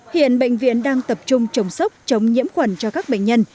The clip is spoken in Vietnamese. hiện bệnh viện đang tập trung chống sốc chống nhiễm khuẩn cho các bệnh nhân